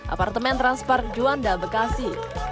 apartemen transpark juanda bekasi